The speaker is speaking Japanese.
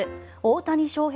大谷翔平